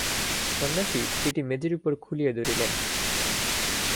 সন্ন্যাসী সেটি মেজের উপর খুলিয়া ধরিলেন।